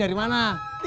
aku mau ke kantor